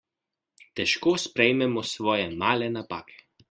Težko sprejmemo svoje male napake.